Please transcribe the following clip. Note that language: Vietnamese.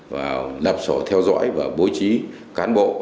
và lập sổ theo dõi và bố trí cán bộ